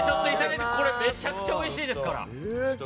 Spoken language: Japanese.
これめちゃくちゃおいしいですから！